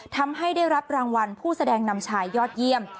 ทำให้ได้รับรางวัลผู้แสดงนำชายยอดเยี่ยม